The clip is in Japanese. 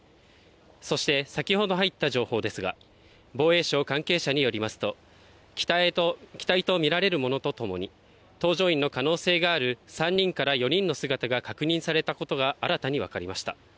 そして先ほど入った情報ですが、防衛省関係者によりますと、機体とみられるものとともに搭乗員の可能性がある３人から４人の姿が確認されたことが新たに分かりました。